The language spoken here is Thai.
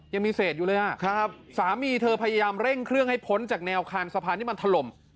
ยังมีเศษอยู่เลยอ่ะครับสามีเธอพยายามเร่งเครื่องให้พ้นจากแนวคานสะพานที่มันถล่ม